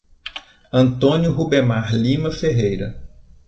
Antônio Rubemar Lima Ferreira